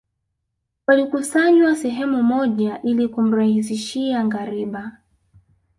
Walikusanywa sehemu moja ili kumrahisishia ngariba